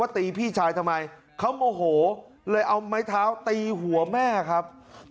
ตีพี่ชายทำไมเขาโมโหเลยเอาไม้เท้าตีหัวแม่ครับ